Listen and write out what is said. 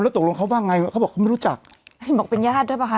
ตกลงเขาว่าไงเขาบอกเขาไม่รู้จักบอกเป็นญาติด้วยป่ะค